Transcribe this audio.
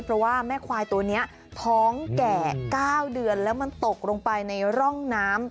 เพราะว่าแม่ควายตัวนี้ท้องแก่๙เดือนแล้วมันตกลงไปในร่องน้ำ